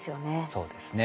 そうですね。